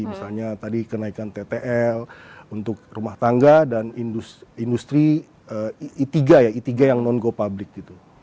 misalnya tadi kenaikan ttl untuk rumah tangga dan industri i tiga ya i tiga yang non go public gitu